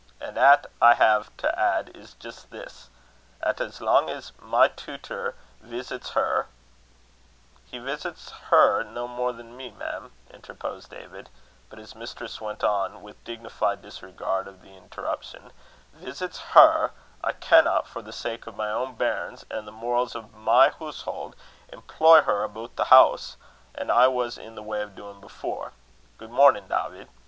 "A' 'at I hae to add is jist this: 'at as lang as my tutor veesits her" "He veesits her no more than me, mem," interposed David; but his mistress went on with dignified disregard of the interruption "Veesits her, I canna, for the sake o' my own bairns, an' the morals o' my hoosehold, employ her aboot the hoose, as I was in the way o' doin' afore. Good mornin', Dawvid.